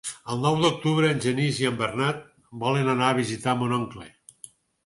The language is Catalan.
El nou d'octubre en Genís i en Bernat volen anar a visitar mon oncle.